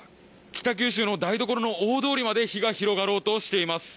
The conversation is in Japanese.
北九州の台所の大通りまで火が広がろうとしています。